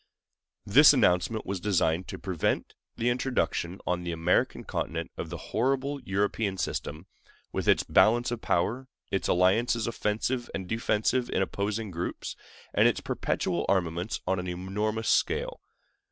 This announcement was designed to prevent the introduction on the American continent of the horrible European system—with its balance of power, its alliances offensive and defensive in opposing groups, and its perpetual armaments on an enormous scale.